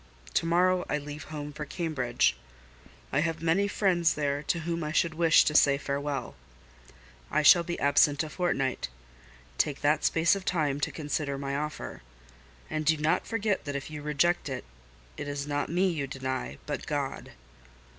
To morrow, I leave home for Cambridge: I have many friends there to whom I should wish to say farewell. I shall be absent a fortnight—take that space of time to consider my offer: and do not forget that if you reject it, it is not me you deny, but God.